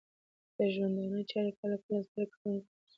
د ژوندانه چارې کله کله ستړې کوونکې بریښې